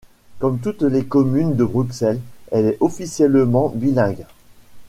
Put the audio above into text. Comme toutes les communes de Bruxelles, elle est officiellement bilingue.